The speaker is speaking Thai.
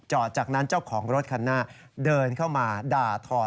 จากนั้นเจ้าของรถคันหน้าเดินเข้ามาด่าทอ